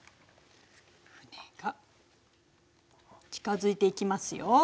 船が近づいていきますよ。